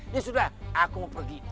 dia sudah aku mau pergi